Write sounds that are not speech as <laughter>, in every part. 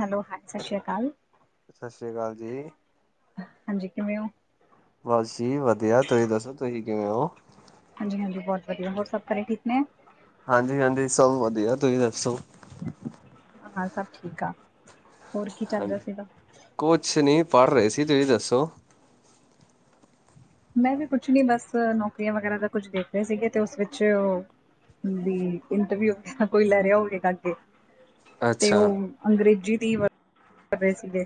Hello ਹਾਂ ਸਤਿ ਸ੍ਰੀ ਅਕਾਲ। ਸਤਿ ਸ਼੍ਰੀ ਅਕਾਲ ਜੀ। ਹਾਂਜੀ ਕਿਵੇਂ ਹੋ। ਬਸ ਜੀ ਵਧੀਆ ਤੁਸੀਂ ਦੱਸੋ ਤੁਸੀਂ ਕਿਵੇਂ ਹੋ। ਹਾਂਜੀ ਹਾਂਜੀ ਬਹੁਤ ਵਧੀਆ ਹੋਰ ਸਭ ਘਰੇ ਠੀਕ ਨੇ। ਹਾਂਜੀ ਹਾਂਜੀ ਸਭ ਵਧੀਆ ਤੁਹੀ ਦੱਸੋ ਹਾਂ ਸਭ ਠੀਕ ਆ ਹੋਰ ਕੀ ਚੱਲ ਰਿਹਾ ਹਾਂਜੀ। ਸੀਗਾ ਕੁਛ ਨਹੀਂ ਪੜ੍ਹ ਰਹੇ ਸੀ ਤੁਸੀਂ ਦੱਸੋ ਮੈਂ ਵੀ ਕੁਛ ਨੀ ਬਸ ਨੌਕਰੀਆਂ ਵਗੈਰਾ ਦਾ ਕੁਝ ਦੇਖ ਰਹੇ ਸੀਗੇ ਤੇ ਉਸ ਵਿੱਚ ਵੀ ਇੰਟਰ ਵੀਊ ਹੋ ਕੋਈ ਲੈ ਰਿਹਾ ਹੋਵੇ ਕਰ ਕੇ ਤੇ ਅੱਛਾ। ਉਹ ਅੰਗਰੇਜ਼ੀ ਦੀ ਕਰ ਰਹੇ ਸੀਗੇ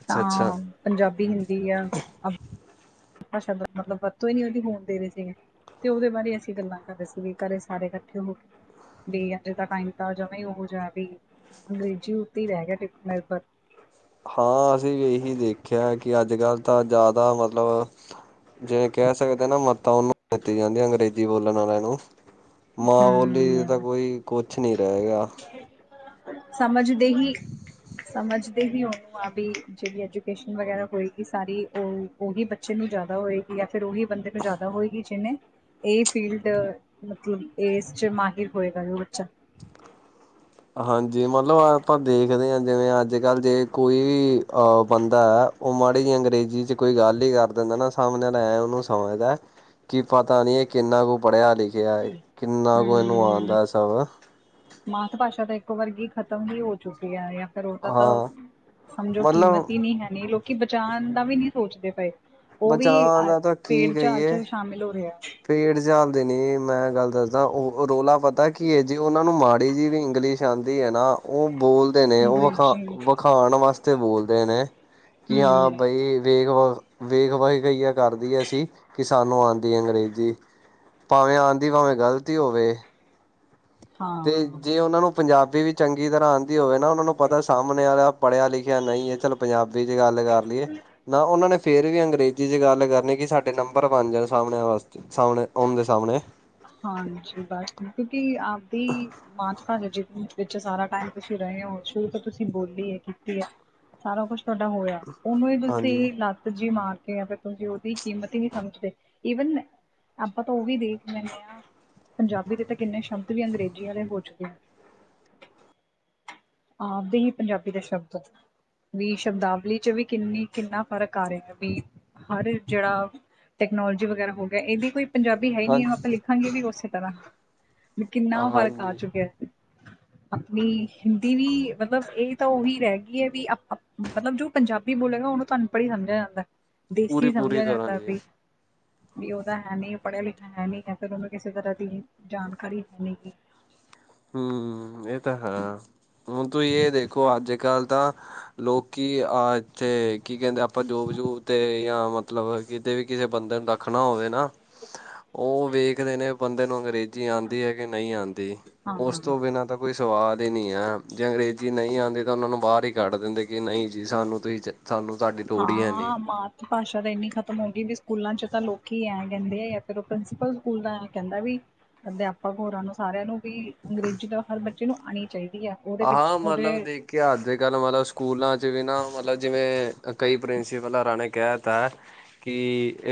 ਅੱਛਾ-ਅੱਛਾ ਤਾਂ ਪੰਜਾਬੀ ਹਿੰਦੀ ਆ ਭਾਸ਼ਾ ਮਤਲਬ ਵਰਤੋਂ ਹੀ ਨੀ ਉਹਦੀ ਹੋਣ ਦੇ ਰਹੇ ਸੀਗੇ। ਤੇ ਉਹਦੇ ਬਾਰੇ ਅਸੀਂ ਗੱਲਾਂ ਕਰ ਰਦੇ ਸੀ ਵੀ ਘਰੇ ਸਾਰੇ ਇਕੱਠੇ ਹੋ ਕੇ ਬ ਅੱਜੇ ਤ ਟਾਈਮ ਤਾਂ ਜਾਵੇ ਉਹੋ ਜਿਹਾ ਵੀ, ਅੰਗਰੇਜ਼ੀ ਉੱਤੇ ਹੀ ਰਹਿ ਗਿਆ ਨਿਰਭਰ। ਹਾਂ, ਅਸੀਂ ਵੀ ਇਹੀ ਦੇਖਿਆ ਕਿ ਅੱਜ ਕੱਲ੍ਹ ਤਾਂ ਜ਼ਿਆਦਾ ਮਤਲਬ ਜਿਵੇਂ ਕਹਿ ਸਕਦੇ ਨਾ ਮਤਾਂ ਉਹਨੂੰ ਦਿੱਤੀ ਜਾਂਦੀਆਂ ਅੰਗਰੇਜ਼ੀ ਬੋਲਣ ਵਾਲਿਆਂ ਨੂੰ। ਮਾਂ ਬੋਲੀ ਤਾਂ ਹਮ ਕੋਈ, ਕੁਛ ਨਹੀਂ ਰਹਿ ਗਿਆ। ਸਮਝਦੇ ਹੀ ਸਮਝਦੇ ਹੀ ਉਹਨੂੰ ਆ ਵੀ ਜਿਹੜੀ ਐਜੂਕੇਸ਼ਨ ਵਗੈਰਾ ਹੋਏਗੀ ਸਾਰੀ ਉਹ। ਉਹੀ ਬੱਚੇ ਨੂੰ ਜ਼ਿਆਦਾ ਹੋਏਗੀ ਜਾਂ ਫਿਰ ਉਹੀ ਬੰਦੇ ਨੂੰ ਜ਼ਿਆਦਾ ਹੋਏਗੀ ਜਿਹਨੇ ਇਹ ਫੀਲਡ, ਮਤਲਬ ਇਸ ਚ' ਮਾਹਿਰ ਹੋਏਗਾ ਉਹ ਬੱਚਾ। ਹਾਂਜੀ, ਮਤਲਬ ਆਪਾਂ ਦੇਖਦੇ ਹਾਂ ਜਿਵੇਂ ਅੱਜ ਕੱਲ੍ਹ ਜੇ ਕੋਈ ਵੀ ਅ ਬੰਦਾ ਹੈ। ਉਹ ਮਾੜੀ ਜੀ ਅੰਗਰੇਜ਼ੀ ਚ' ਕੋਈ ਗੱਲ ਹੀ ਕਰ ਦਿੰਦਾ ਨਾ, ਸਾਹਮਣੇ ਐਂ ਉਹਨੂੰ ਸਮਝਦਾ। ਕਿ ਪਤਾ ਨਹੀ ਕਿ ਕਿੰਨਾ ਕੁ ਪੜਿਆ-ਲਿਖਿਆ ਏ। ਕਿੰਨਾ ਕੁ ਹਮ ਆੰਉਦਾ ਹੈ ਸਬ। ਮਾਤ ਭਾਸ਼ਾ ਤਾਂ ਇੱਕ ਵਰਗੀ ਖ਼ਤਮ ਹੀ ਹੋ ਚੁੱਕੀ ਹੈ। ਕਰੋ ਤਾਂ ਤਾਂ ਹਾਂ ਸਮਝੋ ਕੀਮਤ ਮਤਲਬ ਹੀ ਨਹੀਂ ਹੈਨੀ ਲੋਕੀ ਬਚਾਉਣ ਦਾ ਵੀ ਨਹੀਂ ਸੋਚਦੇ ਪਏ। ਉਹ ਵੀ ਬਚਾਅ ਦਾ ਭੇਡ- ਚਾਲ ਚ' ਸ਼ਾਮਿਲ ਹੋ ਰਿਹਾ ਏ। ਭੇਡ- ਚਾਲ ਤੇ ਨੀ, ਮੈਂ ਗੱਲ ਦੱਸਦਾ ਉਹ ਰੌਲਾ ਪਤਾ ਕੀ ਹੈ। ਜੀ ਉਹਨਾਂ ਨੂੰ ਮਾੜੀ ਜੀ ਵੀ ਇੰਗਲਿਸ਼ ਜਾਂਦੀ ਹੈ ਨਾ ਉਹ ਬੋਲ ਨੇ ਉਹ ਅੰਗਰੇਜ਼ੀ ਵਖਾ- ਵਖਾਣ ਵਾਸਤੇ ਬੋਲਦੇ ਨੇ ਕਿ ਹਮ ਹਾਂ, ਬਈ ਵੇਖ ਵ, ਵੇਖ -ਵਖ ਕਈਆ ਕਰਦੀ ਹੈ ਸੀ ਕਿ ਸਾਨੂੰ ਆਉਂਦੀ ਅੰਗਰੇਜ਼। ਜੀ। ਭਾਵੇਂ ਆਂਦੀ ਭਾਵੇਂ ਗ਼ਲਤੀ ਹੋਵੇ। ਤੇ ਹਾਂ ਜੇ ਉਹਨਾਂ ਨੂੰ ਪੰਜਾਬੀ ਵੀ ਚੰਗੀ ਤਰ੍ਹਾਂ ਆਉਂਦੀ ਹੋਵੇ ਨਾ, ਉਹਨਾਂ ਨੂੰ ਪਤਾ ਸਾਹਮਣੇ ਆ ਪੜ੍ਹਿਆ- ਲਿਖਿਆ ਨਹੀਂ ਹੈ ਚੱਲ ਪੰਜਾਬੀ ਚ' ਗੱਲ ਕਰ ਲਈਏ। ਨਾ ਉਹਨਾਂ ਨੇ ਫੇਰ ਵੀ ਅੰਗਰੇਜ਼ੀ ਜੀ ਜੇ ਗੱਲ ਕਰਨੀ ਕਿ ਸਾਡੇ ਨੰਬਰ ਬਣ ਜਾਣ ਸਾਹਮਣੇ ਵਾਸਤੇ ਸਾਹਮਣੇ ਓਦੇ ਸਾਹਮਣੇ। ਹਾਂਜੀ। ਬਸ, ਕਿਉਂਕਿ ਆਪਦੀ ਮਾਸ ਭਾ ਜੇ ਵਿੱਚ ਸਾਰਾ ਟਾਈਮ ਤੁਸੀਂ ਰਹੇ ਹੋ ਸ਼ੁਰੂ ਤੋਂ ਤੁਸੀਂ ਬੋਲੀ ਹੈ, ਕੀਤੀ ਹੈ। ਸਾਰਾ ਕੁਛ ਤੁਹਾਡਾ ਹੋਇਆ। ਉਹਨੂੰ ਹੀ ਹਾਂਜੀ ਤੁਸੀਂ ਲੱਤ ਜੀ ਮਾਰ ਫਿਰ ਤੁਸੀਂ ਉਹਦੀ ਕੀਮਤ ਹੀ ਨਹੀਂ ਸਮਝਦੇ। ਈਵਨ ਆਪਾਂ ਤਾਂ ਉਹ ਵੀ ਦੇਖ ਮੈਨ ਆ। ਪੰਜਾਬੀ ਦੇ ਤਾਂ ਕਿੰਨੇ ਸ਼ਬਦ ਵੀ ਅੰਗਰੇਜ਼ੀ ਵਾਲੇ ਹੋ ਚੁੱਕੇ ਆ। ਆਪਦੇ ਹੀ ਪੰਜਾਬੀ ਦਾ ਸ਼ਬਦ ਵੀ ਸ਼ਬਦਾਵਲੀ ਚ' ਵੀ ਕਿੰਨੀ, ਕਿੰਨਾ ਫ਼ਰਕ ਆ ਰਿਹਾ ਹੈ। ਵੀ ਹਰ ਜਿਹੜਾ ਟੈਕਨੋਲੋਜੀ ਵਗੈਰਾ ਹੋ ਗਿਆ। ਇਹਦੀ ਕੋਈ ਪੰਜਾਬੀ ਹੈ ਹਾਂ ਨੀ। ਆਪਾਂ ਲਿਖਾਂਗੇ ਵੀ ਉਸੇ ਤਰ੍ਹਾਂ ਕਿੰਨਾ ਫ਼ਰਕ ਆ ਹਾਂਜੀ ਚੁੱਕਿਆ। ਆਪਣੀ ਦੀ ਵੀ ਮਤਲਬ ਇਹ ਤਾਂ ਉਹੀ ਰਹਿ ਗਈ ਹੈ ਵੀ ਮਤਲਬ, ਜੋ ਪੰਜਾਬੀ ਬੋਲੇਗਾ ਉਹਨੂੰ ਤੁਹਾਨੂੰ ਅਨਪੜ੍ਹ ਸਮਝਿਆ ਜਾਂਦਾ। ਦੇਸੀ ਪੂਰੀ ਪੂਰੀ ਸਮਝਿਆ ਤਰ੍ਹਾਂ ਜਾਂਦਾ ਜੀ ਪਈ। ਵੀ ਉਹ ਤਾਂ ਹੈ ਨਹੀਂ, ਪੜ੍ਹਿਆ- ਲਿਖਿਆ ਹੈ ਨਹੀਂ, ਹੈ ਫਿਰ ਉਹਨੂੰ ਕਿਸੇ ਤਰ੍ਹਾਂ ਦੀ ਜਾਣਕਾਰੀ ਹੈ ਨਹੀਂ। ਹਮ। ਇਹ ਤਾਂ ਹੈ। ਹੁਣ ਤੁਸੀਂ ਇਹ ਦੇਖੋ ਅੱਜ ਕੱਲ੍ਹ ਤਾਂ ਲੋਕ ਆਹ ਇੱਥੇ ਕੀ ਕਹਿੰਦੇ ਆਪਾਂ ਜੋਬ- ਜੂਬ ਤੇ ਜਾਂ ਮਤਲਬ ਮਤਲਬ ਕਿਤੇ ਵੀ ਕਿਸੇ ਬੰਦੇ ਨੂੰ ਦੱਖਣਾ ਹੋਵੇ ਨਾ ਉਹ ਵੇਖਦੇ ਨੇ ਬੰਦੇ ਨੂੰ ਅੰਗਰੇਜ਼ੀ ਆਉਂਦੀ ਹੈ ਕਿ ਨਹੀਂ ਆਉਂਦੀ। ਹਾਂ ਹਾਂ ਉਸ ਹਾਂ। ਤੋਂ ਬਿਨਾਂ ਤਾਂ ਕੋਈ ਸਵਾਦ ਹੀ ਨਹੀਂ ਆ। ਜੇ ਅੰਗਰੇਜ਼ੀ ਨਹੀਂ ਆਉਂਦੀ ਤਾਂ ਉਹਨਾਂ ਨੂੰ ਬਾਹਰ ਹੀ ਕੱਢ ਦਿੰਦੇ ਕਿ ਨਹੀਂ ਜੀ ਸਾਨੂੰ ਤੁਸੀਂ ਚ ਸਾਨੂੰ ਤਹਾਡੀ ਲੋੜੀ ਹੈਨੀ। ਹਾਂ ਮਾਤ ਭਾਸ਼ਾ ਤਾਂ ਇਨੀ ਖਤਮ ਹੋ ਗਈ ਵੀ ਸਕੂਲਾਂ 'ਚ ਤਾਂ ਲੋਕੀ ਐਂ ਕਹਿਦੇ ਆ। ਫਿਰ ਉਹ ਪ੍ਰਿੰਸੀਪਲ ਸਕੂਲ ਦਾ ਐਂ ਕਹਿਦਾ ਵੀ ਅਧਿਆਪਕ ਹੋਰਾਂ ਨੂੰ ਸਾਰਿਆਂ ਨੂੰ ਵੀ ਅੰਗਰੇਜ਼ੀ ਤਾਂ ਹਰ ਬੱਚੇ ਨੂੰ ਆਉਣੀ ਚਾਹੀਦੀ ਹੈ। ਉਹਦੇ ਵਿੱਚ ਹਾਂ, ਉਹਦੇ ਮਤਲਬ ਦੇਖ- ਇਤਹਾਸ ਕਰਕੇ ਅੱਜ ਕੱਲ ਮਤਲਬ ਸਕੂਲਾਂ 'ਚ ਵੀ ਨਾ, ਮਤਲਬ ਜਿਵੇ ਕਈ ਪ੍ਰਿੰਸੀਪਲ ਰਾ ਨੇ ਕਹਿ, ਤਾਂ- ਕਿ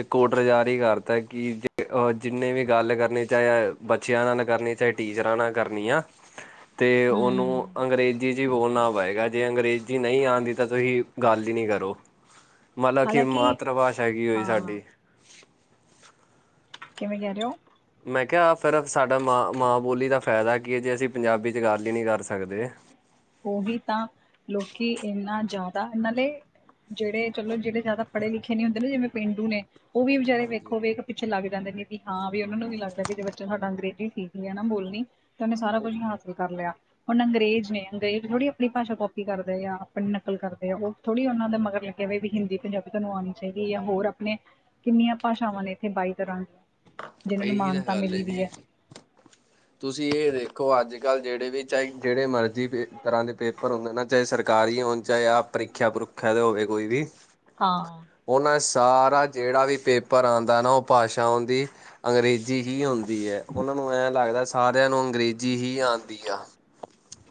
ਇਹ ਉਡਰ ਜਾਰੀ ਹੀ ਕਰ ਦਿਤਾ ਕਿ ਅ ਜਿਨੇ ਵੀ ਗੱਲ ਕਰਨੀ ਚਾਹੇ ਬੱਚਿਆਂ ਨਾਲ ਕਰਨੀ, ਚਾਹੇ ਟੀਚਰਾਂ ਨਾਲ ਕਰਨੀ ਆ। <inaudible> ਤੇ ਉਹਨੂੰ ਹਮ ਅੰਗਰੇਜ਼ੀ ਚ ਹੀ ਬੋਲਣਾ ਪਏਗਾ ਜੇ ਅੰਗਰੇਜ਼ੀ ਨਹੀ ਆਉਦੀ ਤਾ ਤੁਸੀ ਗੱਲ ਹੀ ਨੀ ਕਰੋ। <inaudible> ਮਲਬ ਕਿ ਹਾਲਾਂਕਿ ਮਾਤਰ ਭਾਸ਼ਾ ਕੀ ਹੋਈ ਹਾਂ ਸਾਡੀ? ਕਿਵੇ ਕਿਹ ਰਹੇ ਹੋ। ਮੈ ਕਿਹਾ ਫਿਰਫ ਸਾਡਾ ਮਾਂ, ਮਾਂ ਬੋਲੀ ਦਾ ਫਾਇਦਾ ਕੀ ਹੈ ਜੇ ਅਸੀ ਪੰਜਾਬੀ ਚ ਗੱਲ ਹੀ ਨਹੀ ਕਰ ਸਕਦੇ। ਉਹੀ ਤਾ ਲੋਕੀ ਇਨਾ ਜਾਦਾ ਨਾਲੇ ਜਿਹੜੇ ਚਲੋ ਜਿਹੜੇ ਜਾਦਾ ਪੜ੍ਹੇ ਲਿਖੇ ਨੀ ਹੁੰਦੇ ਨਾ ਜਿਵੇ ਪੇਂਡੂਨੇ ਉਹ ਵੀ ਵਿਚਾਰੇ ਹਾਂਜੀ ਵੇਖੋ ਵੇਖ ਪਿੱਛੇ ਲੱਗ ਜਾਂਦੇ ਨੇ ਵੀ ਹਾਂ ਵੀ ਉਹਨਾਂ ਨੂੰ ਵੀ ਲੱਗਦਾ ਵੀ ਜ ਬੱਚਾ ਸਾਡਾ ਅੰਗਰੇਜ਼ੀ ਸਿੱਖ ਗਿਆ ਨਾ ਬੋਲਣੀ। ਤੇ ਉਹਨੇ ਸਾਰਾ ਉਹ ਕੁਝ ਹਾਸਿਲ ਕਰ ਲਿਆ। ਹੁਣ ਅੰਗਰੇਜ਼ ਨੇ ਅੰਗਰੇਜ਼ ਥੋੜ੍ਹੀ ਆਪਣੀ ਭਾਸ਼ਾ ਕੋਪੀ ਕਰਦੇ ਆ ਆਪਣੀ ਨਕਲ ਕਰਦੇ ਉਹ ਥੋੜ੍ਹੀ ਉਹਨਾਂ ਦਾ ਮਗਰ ਲੱਗੇ ਹੋਏ ਵੀ ਹਿੰਦੀ ਪੰਜਾਬੀ ਤੁਹਾਨੂੰ ਆਉਣੀ ਚਾਹੀਦੀ ਜਾ ਹੋਰ ਆਪਣੇ ਕਿਨੀਆ ਭਾਸ਼ਾਵਾ ਨੇ ਇਥੇ ਬਾਈ ਤਰ੍ਹਾਂ ਦੀ ਜਿਹਨਾਂ ਨੂੰ ਇਹੀ ਮਾਨਤਾ ਮਿਲੀ ਵੀ ਹੈ। ਤੁਸੀ ਇਹ ਦੇਖੋ ਅਜ ਕਲ ਜਿਹੜੇ ਵੀ ਚਾਹੇ ਜਿਹੜੇ ਮਰਜ਼ੀ ਤਰ੍ਹਾ ਦੇ ਪੇਪਰ ਹੁੰਦੇ ਨਾ ਚਾਹੇ ਸਰਕਾਰੀ ਹੋ ਚਾਹੇ ਆਪ ਪ੍ਰੀਖਿਆ-ਪ੍ਰੂਖਿਆ ਤੇ ਹੋਵੇ ਕੋਈ ਵੀ। ਹਾਂ ਉਹਨਾ ਸਾਰਾ ਜਿਹੜਾ ਵੀ ਪੇਪਰ ਆਂਦਾ ਨਾ ਉਹ ਭਾਸ਼ਾ ਓਨਦੀ ਅੰਗਰੇਜ਼ੀ ਹੀ ਆਉਦੀ ਹੈ ਉਹਨਾ ਨੂੰ ਐ ਲਗਦਾ ਸਾਰਿਆ ਨੂੰ ਅੰਗਰੇਜ਼ੀ ਹੀ ਆਉਦੀ ਆ।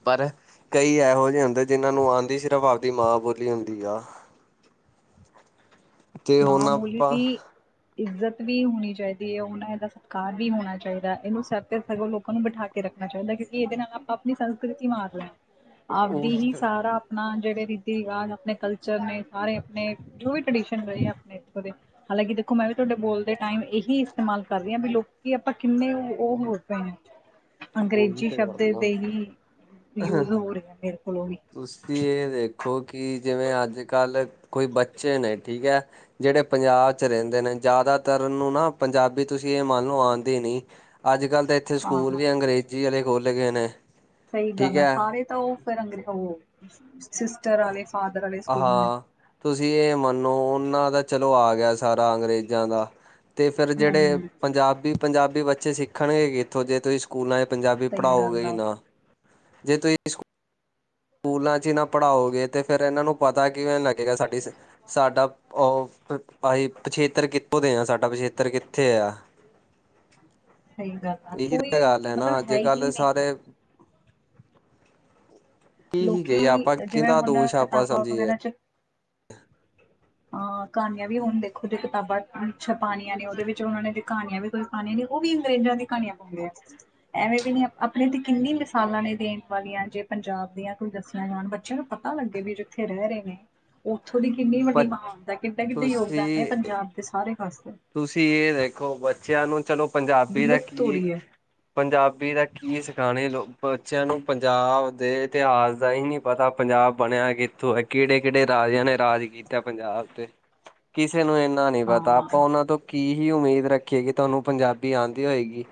ਪਰ ਕਈ ਇਹੋ ਜਿਹੇ ਹੁੰਦੇ ਜਿਹਨਾ ਨੂੰ ਆਉਂਦੀ ਸਿਰਫ਼ ਆਪਦੀ ਮਾਂ ਬੋਲੀ ਹੁੰਦੀ ਆ। ਤੇ ਮਾਂ ਹੁਣ ਬੋਲੀ ਆਪਾਂ ਵੀ ਇੱਜ਼ਤ ਵੀ ਹੋਣੀ ਚਾਹੀਦੀ ਏ ਹੁਣ ਇਹਦਾ ਸਤਿਕਾਰ ਵੀ ਹੋਣਾ ਚਾਹੀਦਾ ਇਹਨੂੰ ਸਗੋਂ ਲੋਕਾਂ ਨੂੰ ਬਿਠਾ ਰੱਖਣਾ ਚਾਹੀਦਾ ਕਿਉਕਿ ਇਹਦੇ ਨਾਲ ਆਪਾਂ ਆਪਣੀ ਸੰਸਕ੍ਰਿਤੀ ਮਾਰ ਰਹੇ ਆ। ਆਪਦੀ ਉਹੀ ਹੀ ਤਾਂ ਸਾਰਾ ਆਪਣਾ ਜਿਹੜੇ ਰੀਤੀ ਰਿਵਾਜ਼ ਆਪਣੇ ਕਲਚਰ ਨੇ ਸਾਰੇ ਆਪਣੇ ਜੋ ਵੀ ਟ ਰਹੀ ਆ ਆਪਣੇ ਇਥੋਂ ਦੇ। ਹਾਲਾਂਕਿ ਦੇਖੋ ਮੈ ਵੀ ਤੁਹਾਡੇ ਬੋਲ ਦੇ ਟਾਈਮ ਇਹੀ ਇਸਤੇਮਾਲ ਕਰ ਰਹੀ ਹਾਂ ਵੀ ਲੋਕੀ ਆਪਾਂ ਕਿਨੇ ਉਹ ਹੋ ਪਏ ਆ। ਉਹੀ ਅੰਗਰੇਜ਼ੀ ਤਾਂ ਸ਼ਬਦ ਗੱਲ ਆ ਦੇ ਹੀ ਯੂਜ ਹੋ ਰਹੇ ਹੈ ਮੇਰੇ ਕੋਲੋ ਵੀ। ਤੁਸੀ ਇਹ ਦੇਖੋ ਕਿ ਜਿਵੇ ਅਜ ਕਲ ਕੋਈ ਬੱਚੇ ਨੇ ਠੀਕ ਹੈ। ਜਿਹੜੇ ਪੰਜਾਬ ਚ ਰਹਿਦੇ ਨੇ ਜ਼ਿਆਦਾਤਰ ਉਨੂੰ ਨਾ ਪੰਜਾਬੀ ਤੁਸੀ ਇਹ ਮੰਨ ਲਓ ਆਉਦੀ ਨੀ। ਅਜ ਕਲ ਤਾ ਇਥੇ ਸਕੂਲ ਹਾਂ ਵੀ ਅੰਗਰੇਜ਼ੀ ਵਾਲੇ ਖੋਲ ਗਏ ਨੇ। ਸਹੀ ਠੀਕ ਗੱਲ ਆ ਹੈ ਸਾਰੇ ਤਾਂ ਉਹ ਫਿਰ ਸਿਸਟਰ ਵਾਲੇ ਫਾਦਰ ਵਾਲੇ ਸਕੂਲ ਨੇ। ਤੁਸੀ ਇਹ ਮਨੋ ਉਹਨਾ ਦਾ ਚਲੋ ਆਗਿਆ ਸਾਰਾ ਅੰਗਰੇਜ਼ਾ ਦਾ। ਅਤੇ ਫਿਰ ਜਿਹੜੇ ਹੂੰ। ਪੰਜਾਬੀ-ਪੰਜਾਬੀ ਬੱਚੇ ਸਿੱਖਣਗੇ ਕਿਥੋ ਜੇ ਤੁਸੀ ਸਕੂਲਾਂ ਪੰਜਾਬੀ ਸਹੀ ਪੜ੍ਹਾਓਗੇ ਗੱਲ ਹੀ ਆ ਨਾ ਜੇ ਤੁਸੀ ਸੱਕੂ ਕੂਲਾਂ ਚ ਹੀ ਨਾ ਪੜ੍ਹਾਓਗੇ ਤੇ ਫੇਰ ਇਹਨਾਂ ਨੂੰ ਪਤਾ ਕਿਵੇ ਲੱਗੇਗਾ ਸਾਡੀ ਸਾਡਾ ਉਹ ਅ ਭਾਈ ਪਿੱਛੇਤਰ ਕਿੱ ਦੇ ਆ ਸਾਡਾ ਪਛੇਤਰ ਕਿਥੇ ਆ। ਸਹੀ ਗੱਲ ਆ ਇਹੀ ਤਾਂ ਕੋਈ ਗੱਲ ਹੈ ਨਾ ਮਤਲਬ ਅਜ ਹੀ ਕਲ ਨਹੀਂ। ਸਾਰੇ ਕੀ ਹੀ ਲੋਕੀ ਗਈ ਆਪਾਂ ਜਿਵੇ ਕਿਹਦਾ ਹੁਣ ਕਿਤਾਬਾ ਵਗੈਰਾ ਚ ਹ <inaudible> ਅਹ ਕਹਾਣੀਆ ਵੀ ਹੁਣ ਦੇਖੋ ਜੇ ਕਿਤਾਬਾ ਛਪਉਣੀਆ ਨੇ ਉਹਦੇ ਵਿਚ ਉਹ ਨੇ ਕਹਾਣੀਆ ਵੀ ਪਾਣੀਆ ਨੇ ਉਹ ਵੀ ਅੰਗਰੇਜ਼ਾ ਦੀ ਕਹਾਣੀਆ ਪਾਉਂਦੇ ਐ। ਐਵੇਂ ਵੀ ਨੀ ਆਪਣੇ ਤੇ ਕਿੰਨੀ ਮਿਸਾਲਾਂ ਨੇ ਦੇਣ ਵਾਲੀਆਂ, ਜੇ ਪੰਜਾਬ ਦੀਆਂ ਕੋਈ ਦੱਸਿਆ ਜਾਣ ਬੱ ਬੱਚਿਆਂ ਨੂੰ ਪਤਾ ਲੱਗੇ ਬਈ ਜੇ ਜਿੱਥੇ ਰਹਿ ਰਹੇ ਨੇ। ਉੱਥੋਂ ਦੀ ਕਿੰਨੀ ਬ ਵੱਡੀ ਮਹਾਨਤਾ ਕਿੱਡੇ-ਕਿੱਡੇ ਯੋਗਦਾਨ ਨੇ ਤੁਸੀਂ ਪੰਜਾਬ ਦੇ ਸਾਰੇ ਪਾਸੇ। ਤੁਸੀਂ ਇਹ ਦੇਖੋ ਬੱਚਿਆਂ ਨੂੰ ਚਲੋ ਪੰਜਾਬੀ ਦਾ ਵਿਲੁਪਤ ਹੋ ਕੀ ਰਹੀ ਹੈ ਪੰਜਾਬੀ ਦਾ ਕੀ ਸਿਖਾਉਣੇ ਲੋ ਬੱਚਿਆਂ ਨੂੰ ਪੰਜਾਬ ਦੇ ਇਤਿਹਾਸ ਦਾ ਹੀ ਨੀ ਪਤਾ ਪੰਜਾਬ ਬਣਿਆ ਕਿੱਥੋਂ ਏਹ ਕਿਹੜੇ-ਕਿਹੜੇ ਰਾਜਿਆਂ ਨੇ ਰਾਜ ਕੀਤਾ ਪੰਜਾਬ ਤੇ। ਕਿਸੇ ਨੂੰ ਇੰਨਾ ਨੀ ਪਤਾ। ਹਾਂ ਆਪਾਂ ਉਹਨਾਂ ਤੋਂ ਕੀ ਹੀ ਉਮੀਦ ਰੱਖੀਏ ਕੇ ਤੁਹਾਨੂੰ ਪੰਜਾਬੀ ਆਂਦੀ ਹੋਏਗੀ।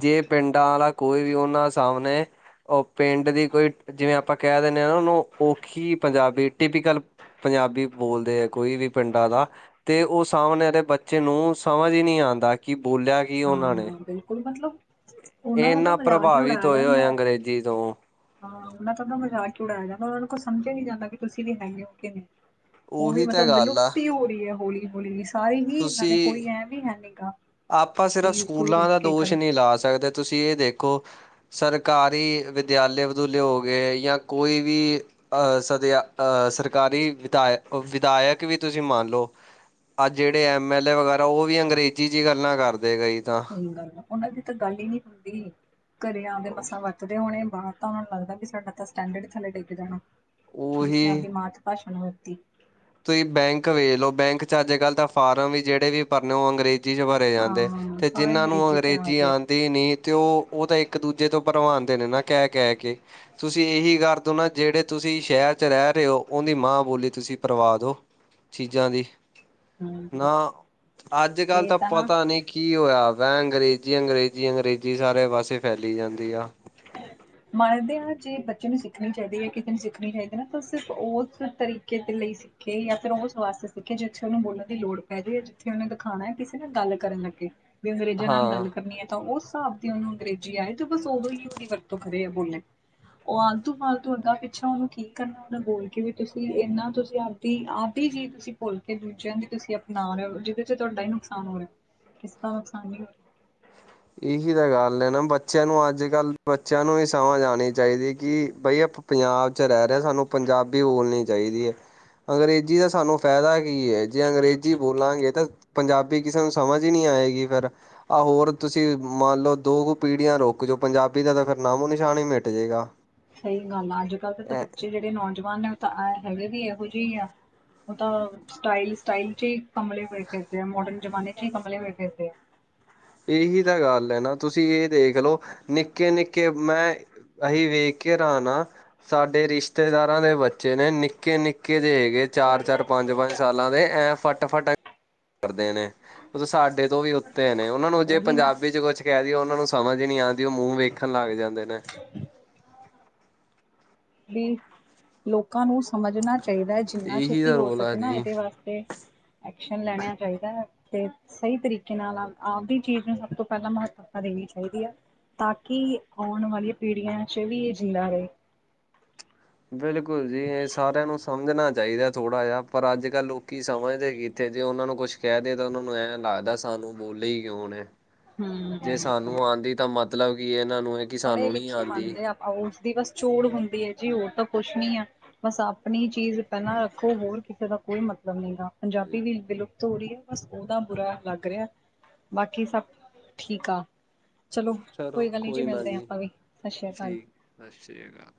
ਜੇ ਪਿੰਡਾਂ ਵਾਲਾ ਕੋਈ ਵੀ ਉਹਨਾ ਸਾਹਮਣੇ ਉਹ ਪਿੰਡ ਦੀ ਕੋਈ, ਜਿਵੇਂ ਆਪਾਂ ਕਹਿ ਦਿੰਦੇ ਆਂ ਨਾਂ ਉਹਨੂੰ ਔਖੀ ਪੰਜਾਬੀ ਟਿਪੀਕਲ ਪੰਜਾਬੀ ਬੋਲਦੇ ਐ, ਕੋਈ ਵੀ ਪਿੰਡਾਂ ਦਾ ਤੇ ਉਹ ਸਾਹਮਣੇ ਬੱਚੇ ਬੱਚੇ ਨੂੰ ਸਮਝ ਈ ਨੀਂ ਆਂਦਾ ਕਿ ਬੋਲਿਆ ਕੀ ਉਹਨਾਂ ਨੇਂ। ਹਾਂ ਬਿਲਕੁਲ ਮਤਲਬ ਇਹ ਉਹਨਾਂ ਦਾ ਤਾਂ ਇੰਨ੍ਹਾਂ ਮਜ਼ਾਕ ਹੀ ਪ੍ਰਭਾਵਿਤ ਉਡਾਇਆ ਹੋਏ, ਜਾਂਦਾ ਹੋਏ ਹੈ ਅੰਗਰੇਜ਼ੀ ਤੋਂ ਹਾਂ, ਮੈਂ ਤਾਂ ਉਹਦਾ ਮਜ਼ਾਕ ਕਿ ਉੜਾਇਆ ਜਾਂਦਾ, ਉਹਨਾਂ ਨੂੰ ਕੋਲ ਸਮਝਿਆ ਨੀਂ ਜਾਂਦਾ ਕਿ ਤੁਸੀਂ ਵੀ ਹੈਗੇ ਹੋ ਕਿ ਨੀਂ। ਉਹ ਵੀ ਉਹੀ ਤਾਂ ਮਤਲਬ ਗੱਲ ਆ ਵਿਲੁਪਤ ਈ ਹੋ ਰਹੀ ਐ ਹੌਲੀ-ਹੌਲੀ, ਸਾਰੀ ਹੀ ਇਹਨਾਂ ਦੇ ਤੁਸੀਂ ਕੋਈ ਐਮ ਈ ਹੈ ਨੀ ਗਾ। ਆਪਾਂ ਵੀ ਸਿਰਫ਼ ਕੋਈ ਸਕੂਲਾਂ ਰੁਕ ਦਾ ਕੇ ਦੋਸ਼ ਕਰੇ ਨ੍ਹੀਂ ਲਾ ਸਕਦੇ ਤੁਸੀਂ ਇਹ ਦੇ ਕੋ ਸਰਕਾਰੀ ਵਿਦਿਆਲੇੇ ਵਦੂਲੇ ਹੋ ਗਏ ਜਾਂ ਕੋਈ ਵੀ ਅ ਸਦਿਆ ਅ ਸਰਕਾਰੀ ਵਿਧਾਇ ਵਿਧਾਇਕ ਵੀ ਤੁਸੀ ਮੰਨ ਲਓ ਅੱਜ ਜਿਹੜੇ ਐਮ ਐਲ ਏ ਵਗੈਰਾ, ਉਹ ਵੀ ਅੰਗਰੇਜ਼ੀ ਚ ਈ ਗੱਲਾਂ ਕਰਦੇ ਗਏ ਕਈ ਤਾਂ ਸਹੀ ਗੱਲ ਉਹਨਾਂ ਦੀ ਤਾਂ ਗੱਲ ਹੀ ਨੀਂ ਹੁੰਦੀ, ਘਰਿਆਂ ਦੇ ਮਸਾਂ ਵਰਤਦੇ ਹੋਣੇ ਬਾਹਰ ਤਾਂ ਉਹਨਾਂ ਨੂੰ ਲੱਗਦਾ ਵੀ ਸਾਡਾ ਤਾਂ ਸਟੈਂਡਰਡ ਥੱਲੇ ਡਿੱਗ ਜਾਣਾ। ਜਿਸੇ ਉਹੀ ਆਪਦੀ ਮਾਤ ਭਾਸ਼ਾ ਨੂੰ ਵਰਤੀ ਤੁਸੀਂ ਬੈਂਕ ਵੇਖ ਲੋ, ਬੈਂਕ ਚ ਅੱਜ ਕੱਲ੍ਹ ਤਾਂ ਫਾਰਮ ਵੀ ਜਿਹੜੇ ਵੀ ਭਰਨੇ ਹੋ ਅੰਗਰੇਜ਼ੀ ਚ ਭਾਰੇ ਜਾਂਦੇ ਹਾਂ ਤੇ ਸਾਰੇ ਜਿਹਨ੍ਹਾਂ ਨੂੰ ਚ ਆ ਅੰਗਰੇਜ਼ੀ ਗਏ ਆਣ ਦੀ ਨੀਂ ਤੇ ਉਹ ਤਾਂ ਇੱਕ ਦੂਜੇ ਤੋਂ ਭਰਵਾਨਦੇ ਨੇਂ ਨਾਂ ਕਹਿ-ਕਹਿ ਕੇ, ਤੁਸੀਂ ਇਹੀ ਕਰ ਅ ਜਿਹੜੇ ਤੁਸੀਂ ਸ਼ਹਿਰ ਚ ਰਹਿ ਰਹੇ ਹੋ ਉਹਦੀ ਮਾਂ ਬੋਲੀ ਤੁਸੀਂ ਭਰਵਾਹ ਦਿਉ ਚੀਜ਼ਾਂ ਦੀ ਹਮ ਨਾਂ, ਅੱਜ-ਕੱਲ ਇਹ ਤਾਂ ਨਾ ਪਤਾ ਨੀਂ ਕੀ ਹੋਇਆ ਵੈ, ਅੰਗਰੇਜ਼ੀ, ਅੰਗਰੇਜ਼ੀ, ਅੰਗਰੇਜ਼ੀ, ਸਾਰੇ ਪਾਸੇ ਫੈਲੀ ਜਾਂਦੀ ਆ। <unintelligible> ਮੰਨਦੇ ਹਾਂ ਜੇ ਬੱਚੇ ਨੂੰ ਸਿੱਖਣੀ ਚਾਹੀਦੀ ਹੈ ਜਾਂ ਕਿਤੇ ਨੂੰ ਸਿੱਖਣੀ ਚਾਹੀਦੀ ਨਾ ਤਾਂ ਸਿਰਫ ਉਸ ਤਰੀਕੇ ਦੇ ਲਈ ਸਿੱਖੇ ਜਾਂ ਫਿਰ ਉਹ ਵਾਸ ਸਿੱਖੇ ਜਿੱਥੇ ਉਹਨੂੰ ਬੋਲਣ ਦੀ ਲੋੜ ਪੈ ਜਾਵੇ, ਜਿੱਥੇ ਉਹਨੇ ਦਿਖਾਣਾ ਐ ਕਿਸੇ ਨਾਲ ਗੱਲ ਕਰਨ ਲੱਗੇ। ਅੰਗਰੇਜ਼ਾਂ ਨਾਲ ਹਾਂ। ਗੱਲ ਕਰਨੀ ਐ ਤਾਂ ਉਸ ਹਿਸਾਬ ਦੀ ਉਹਨੂੰ ਅੰਗਰੇਜ਼ੀ ਆਏ ਤੇ ਬਸ ਉਦੋਂ ਹੀ ਉਹ ਦੀ ਵਰਤੋਂ ਕਰੇ ਯਾ ਬੋਲੇ। ਉਹ ਆਲਤੂ-ਫਾਲਤੂ ਅਗਾ-ਪਿੱਛਾ ਉਹਨੂੰ ਕੀ ਕਰਨਾ ਉਹਨਾ ਬੋਲ ਕੇ ਵੀ ਤੁਸੀਂ ਇੰਨਾ ਤੁਸੀਂ ਤੇ ਆਦਿ ਜੀ ਤੁਸੀਂ ਭੁੱਲ ਕੇ ਦੂਜਿਆਂ ਦੀ ਤੁਸੀਂ ਅਪਣਾ ਰਹੇ ਹੋ ਜਿਹਦੇ ਚ ਤੁਹਾਡਾ ਹੀ ਨੁਕਸਾਨ ਹੋ ਰਿਹਾ। ਕਿਸਦਾ ਨੁਕਸਾਨ ਏ ਇਹੀ ਤਾਂ ਗੱਲ ਐ ਨਾਂ ਬੱਚਿਆਂ ਨੂੰ ਅੱਜ-ਕੱਲ ਬੱਚਿਆਂ ਨੂੰ ਵੀ ਸਮਝ ਆਣੀ ਚਾਹੀਦੀ ਕਿ ਬਈ ਆਪ ਪੰਜਾਬ ਚ ਰਹਿ ਰਿਹਾ ਸਾਨੂੰ ਪੰਜਾਬੀ ਬੋਲਣੀ ਚਾਹੀਦੀ ਆ। ਅੰਗਰੇਜ਼ੀ ਦਾ ਸਾਨੂੰ ਫਾਇਦਾ ਕੀ ਐ। ਜੇ ਅੰਗਰੇਜ਼ੀ ਬੋਲਾਂਗੇ ਤਾਂ ਪੰਜਾਬੀ ਕਿਸੇ ਨੂੰ ਸਮਝ ਹੀ ਨ੍ਹੀਂ ਆਏਗੀ ਫਿਰ ਆਹ ਹੋਰ ਤੁਸੀਂ ਮੰਨ ਲਓ, ਦੋ ਕੂ ਪੀੜੀਆਂ ਰੁਕ ਜੋ ਪੰਜਾਬ ਇਦਾ ਤਾਂ ਫਿਰ ਨਾਮੋ ਨਿਸ਼ਾਨ ਹੀ ਮਿਟ ਜਾਏਗਾ ਸਹੀ ਗੱਲ ਆ ਅੱਜ ਕੱਲ੍ਹ ਦੇ ਤਾਂ ਇਹ ਬੱਚੇ ਜਿਹੜੇ ਨੌਜਵਾਨ ਨੇ ਤਾਂ ਆ ਹੈਗੇ ਵੀ ਇਹੋ ਜਿਹੇ ਆ ਉਹ ਤਾਂ ਸਟਾਈਲ, ਸਟਾਈਲ ਚ ਹੀ ਕਮਲੇ ਹੋਏ ਫੇਰਦੇ ਆ, ਮੋਡਰਨ ਜ਼ਮਾਨੇ ਚ ਹੀ ਕਮਲੇ ਹੋਏ ਫੇਰਦੇ ਆ। ਇਹੀ ਤਾਂ ਗੱਲ ਐ ਨਾਂ ਤੁਸੀਂ ਇਹ ਦੇਖ ਲਓ, ਨਿੱਕੇ-ਨਿੱਕੇ ਮੈਂ ਅਸੀਂ ਵੇਖ ਕੇ ਹੈਰਾਨ ਆਂ। ਸਾਡੇ ਰਿਸ਼ਤੇਦਾਰਾਂ ਦੇ ਬੱਚੇ ਨੇਂ ਨਿੱਕੇ-ਨਿੱਕੇ ਜੇ ਹੈਗੇ ਚਾਰ-ਚਾਰ, ਪੰਜ-ਪੰਜ ਸਾਲਾਂ ਦੇ ਐਂ ਫੱਟ-ਫੱਟ ਕਰਦੇ ਨੇਂ। ਉਹ ਸਾਡੇ ਤੋਂ ਵੀ ਉੱਤੇ ਨੇਂ, ਉਹਨਾਂ ਨੂੰ ਜੇ ਉਹੀ ਨਾ ਪੰਜਾਬੀ ਚ ਕੁਛ ਕਹਿ ਦਇਏ ਉਹਨਾਂ ਨੂੰ ਸਮਝ ਨੀਂ ਆਂਦੀ ਉਹ ਮੂੰਹ ਵੇਖਣ ਲੱਗ ਜਾਂਦੇ ਨੇਂ। ਵੀ ਲੋਕਾਂ ਨੂੰ ਸਮਝਣਾ ਚਾਹੀਦਾ ਜਿੰਨਾ ਇਹੀ ਛੇਤੀ ਤਾਂ ਹੋ ਰੋਲ ਆ ਸਕੇ ਨਾਂ ਜੀ ਇਹਦੇ ਵਾਸਤੇ, ਐਕਸ਼ਨ ਲੈਣਾ ਚਾਹੀਦਾ ਐ। ਤੇ ਸਹੀ ਤਰੀਕੇ ਨਾਲ ਆਪਦੀ ਚੀਜ਼ ਨੂੰ ਸਭ ਤੋਂ ਪਹਿਲਾਂ ਮਹੱਤਵਤਾ ਦੇਣੀ ਚਾਹੀਦੀ ਐ। ਤਾਂ ਕਿ ਆਉਣ ਵਾਲੀਆਂ ਪੀੜ੍ਹੀਆਂ ਚ ਵੀ ਇਹ ਜਿਲਲਾ ਰਹੇ। ਬਿਲਕੁਲ ਜੀ, ਇਹ ਸਾਰਿਆਂ ਨੂੰ ਸਮਝਣਾ ਚਾਹੀਦਾ ਥੋੜਾ ਜਿਹਾ ਪਰ ਅੱਜ-ਕੱਲ੍ਹ ਲੋਕੀ ਸਮਝਦੇ ਕਿੱਥੇ? ਜੇ ਉਹਨਾਂ ਨੂੰ ਕੁਛ ਕਹਿ ਦੇ ਤਾਂ ਉਹਨਾਂ ਨੂੰ ਐਂ ਲੱਗਦਾ ਸਾਨੂੰ ਬੋਲੇ ਈ ਕਿਉਂ ਨੇਂ। ਜੇ ਹਮ ਸਾਨੂੰ ਆਂਦੀ ਤਾਂ ਮਤਲਬ ਕੀ ਇਹਨਾਂ ਨੂੰ ਇੱਕ ਪੜ੍ਹੇ, -ਲਿਖੇ ਆਂਦੇ, ਉਸਦੀ ਬਸ ਚੋੜ ਹੁੰਦੀ ਐ ਜੀ ਹੋਰ ਤਾਂ ਕੁਛ ਨੀਂ ਐ। ਬਸ ਆਪਣੀ ਚੀਜ਼ ਪਹਿਲਾਂ ਰੱਖੋ, ਹੋਰ ਕਿਸੇ ਦਾ ਕੋਈ ਮਤਲਬ ਨ੍ਹੀਂ ਗਾ ਪੰਜਾਬੀ ਵੀ ਬਿਲੁ ਤੋੜੀ ਆ ਬਸ ਉਹਦਾ ਬੁਰਾ ਲੱਗ ਰਿਹਾ ਬਾਕੀ ਸਭ ਠੀਕ ਆ। ਚਲੋ, ਕੋਈ ਗੱਲ ਨੀ ਜੀ ਮਿਲਦੇ ਹਾਂ ਆਪਾਂ ਵੀ ਸਤਿ ਸ੍ਰੀ ਅਕਾਲ। ਠੀਕ ਸਤਿ ਸ਼੍ਰੀ ਅਕਾਲ।